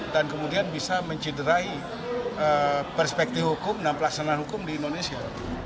dan kemudian bisa menciderai perspektif hukum dan pelaksanaan hukum di indonesia